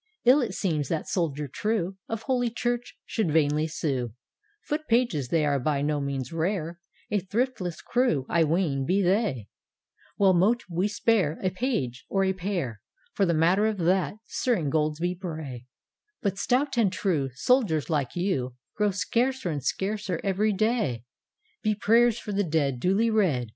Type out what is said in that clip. Ill it seems that soldier true Of Holy Church should vainly sue: —— Foot pages they arc by ro means rare, A thriftless crew, I ween, be they; Well mote we spare A Page — or a pair, For the matter of that — Sir Ingoldsby Bray, D,gt,, erihyGOOgle The Haunted Hour But stout and true Soldiers like you, Grow scarcer and scarcer every day I — Be prayers for the dead Duly read.